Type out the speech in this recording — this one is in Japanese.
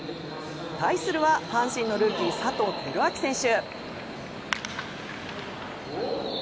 対するは阪神のルーキー佐藤輝明選手。